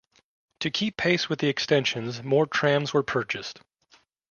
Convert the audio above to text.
To keep pace with the extensions more trams were purchased.